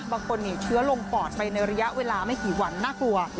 บางคนหนีเชื้อลงปอดไปในระยะเวลาไม่กี่วันน่ากลัว